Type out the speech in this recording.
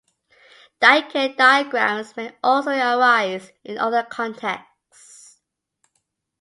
Dynkin diagrams may also arise in other contexts.